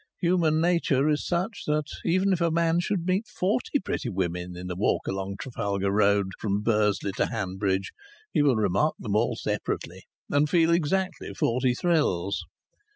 Human nature is such that even if a man should meet forty pretty women in a walk along Trafalgar Road from Bursley to Hanbridge, he will remark them all separately, and feel exactly forty thrills.